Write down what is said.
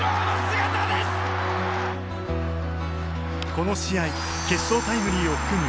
この試合決勝タイムリーを含む